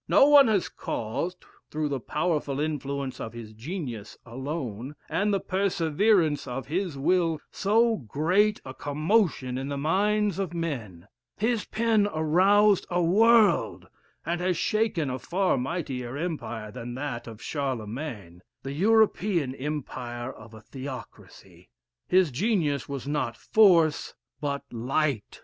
No one has caused, through the powerful influence of his genius alone, and the perseverance of his will, so great a commotion in the minds of men; his pen aroused a world, and has shaken a far mightier empire than that of Charlemagne, the European empire of a theocracy. His genius was not force but light.